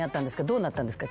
どうなったんですか？